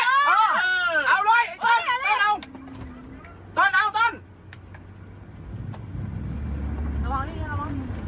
ต้องต้องเอานี่เออเอาเลยต้นเอาต้นเอาต้น